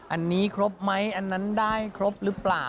อันนี้ครบไหมอันนั้นได้ครบหรือเปล่า